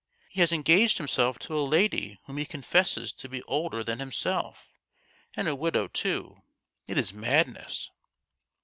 He has engaged himself to a lady whom he confesses to be older than himself, and a widow too. It is madness